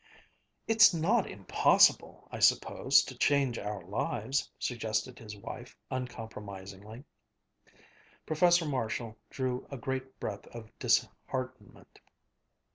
"It's not impossible, I suppose, to change our lives," suggested his wife uncompromisingly. Professor Marshall drew a great breath of disheartenment.